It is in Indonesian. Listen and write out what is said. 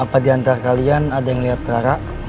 apa diantara kalian ada yang ngeliat rara